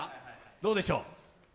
どうでしょう。